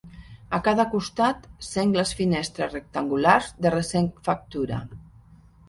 A cada costat sengles finestres rectangulars de recent factura.